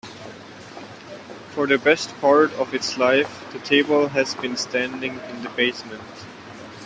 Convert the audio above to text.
For the best part of its life, the table has been standing in the basement.